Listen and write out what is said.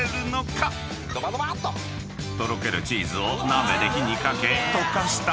［とろけるチーズを鍋で火にかけ溶かしたら］